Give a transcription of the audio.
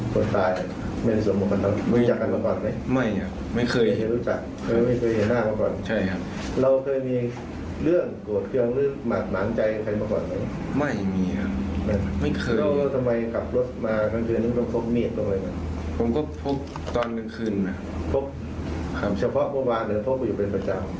พวกเฉพาะเมื่อวานหรือพวกอยู่เป็นพระเจ้า